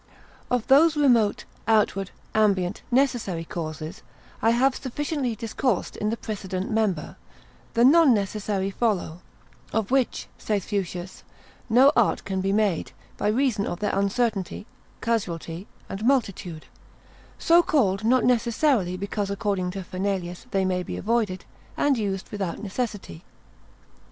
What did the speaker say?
Of those remote, outward, ambient, necessary causes, I have sufficiently discoursed in the precedent member, the non necessary follow; of which, saith Fuchsius, no art can be made, by reason of their uncertainty, casualty, and multitude; so called not necessary because according to Fernelius, they may be avoided, and used without necessity.